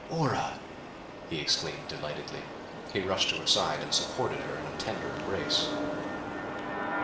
"Ora!" he exclaimed delightedly. He rushed to her side and supported her in a tender embrace.